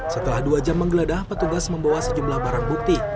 setelah dua jam menggeledah petugas membawa sejumlah barang bukti